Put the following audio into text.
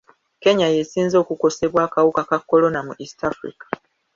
Kenya y'esinze okukosebwa akawuka ka kolona mu East Africa.